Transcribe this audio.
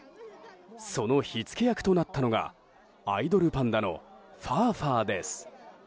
その火付け役となったのがアイドルパンダのファーファーです。